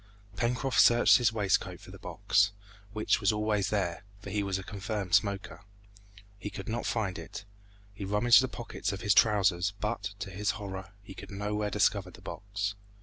Pencroft searched in his waistcoat for the box, which was always there, for he was a confirmed smoker. He could not find it; he rummaged the pockets of his trousers, but, to his horror, he could nowhere discover the box.